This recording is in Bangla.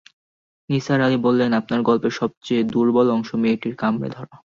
নিসার আলি বললেন, আপনার গল্পের সবচেয়ে দুর্বল অংশ মেয়েটির কামড়ে-ধরা।